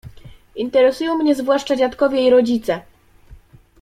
Interesują mnie zwłaszcza dziadkowie i rodzice.